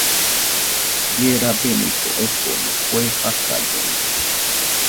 Bie rabeniko ekoko, kue fakallena